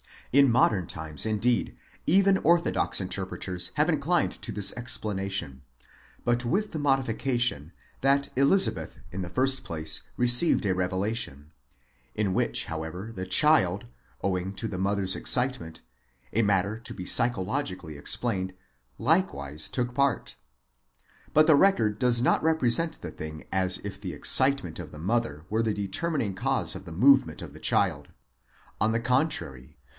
In modern times, indeed, even orthodox interpreters have inclined to this explanation, but with the modifi cation, that Elizabeth in the first place received a revelation, in which how ever the child, owing to the mother's excitement, a matter to be physiologi cally explained, likewise took part. But the record does not represent the thing as if the excitement of the mother were the determining cause of the movement of the child ; on the contrary (v.